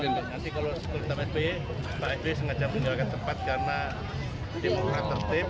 nanti kalau kita sby pak sby sengaja menggunakan tempat karena demokrat tertip